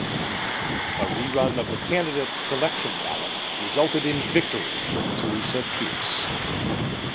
A rerun of the candidate selection ballot resulted in victory for Teresa Pearce.